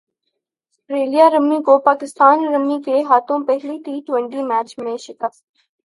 سٹریلیا رمی کو پاکستان رمی کے ہاتھوں پہلے ٹی ٹوئنٹی میچ میں شکست